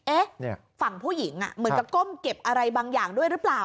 ฝั่งผู้หญิงเหมือนกับก้มเก็บอะไรบางอย่างด้วยหรือเปล่า